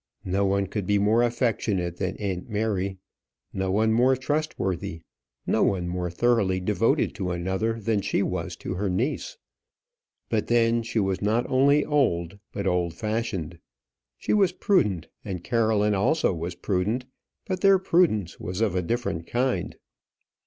No one could be more affectionate than aunt Mary, no one more trustworthy, no one more thoroughly devoted to another than she was to her niece. But then she was not only old, but old fashioned. She was prudent, and Caroline also was prudent; but their prudence was a different kind.